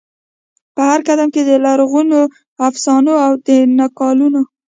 په هرقدم کې د لرغونو افسانو او د نکلونو،